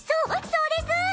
そうです。